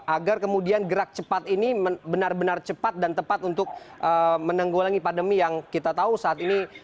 agar kemudian gerak cepat ini benar benar cepat dan tepat untuk menanggulangi pandemi yang kita tahu saat ini